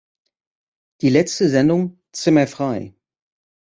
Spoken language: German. Die letzte Sendung "Zimmer frei!